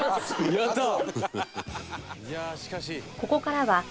やったー！